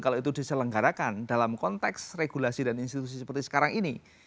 kalau itu diselenggarakan dalam konteks regulasi dan institusi seperti sekarang ini